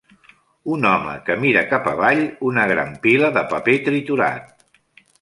Un home que mira cap avall una gran pila de paper triturat.